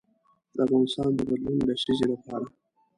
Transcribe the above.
د افغانستان د بدلون لسیزې لپاره.